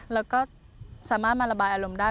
แล้วก็สามารถมาระบายอารมณ์ได้